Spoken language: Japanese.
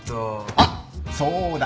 あっそうだ。